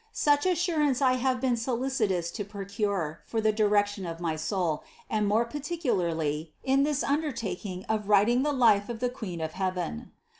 Such assurance I have been solicitous to pro 12 INTRODUCTION cure for the direction of my soul, and more particularly in this undertaking of writing the life of the Queen of heaven.